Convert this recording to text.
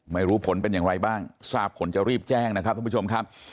ไม่รู้ผลเป็นอย่างไรบ้างทราบผลจะรีบแจ้งนะครับทุกผู้ชมครับ